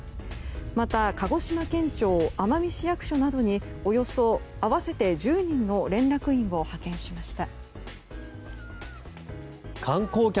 また、鹿児島県庁奄美市役所などにおよそ合わせて１０人の連絡員を派遣しました。